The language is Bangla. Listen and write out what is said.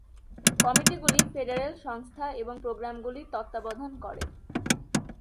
কমিটিগুলি ফেডারেল সংস্থা এবং প্রোগ্রামগুলির তত্ত্বাবধান করে।